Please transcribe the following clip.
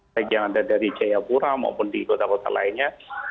baik yang ada dari jayapura maupun di kota kota lainnya